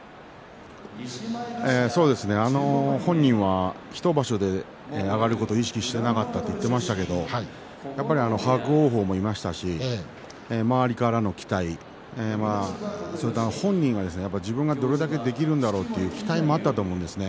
本人は１場所で上がることを意識してなかったと言っていましたけどやっぱり伯桜鵬もいましたし周りからの期待本人は自分がどれだけできるんだろうという期待もあったと思うんですよね。